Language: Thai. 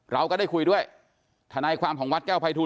เราก็ได้คุยด้วยทนายความของวัดแก้วภัยทูล